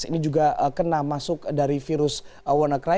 ini juga kena masuk dari virus wannacry